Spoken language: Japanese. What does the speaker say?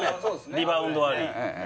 リバウンドあり。